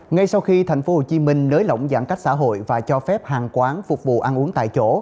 ngay sau khi tp hcm nới lỏng giãn cách xã hội và cho phép hàng quán phục vụ ăn uống tại chỗ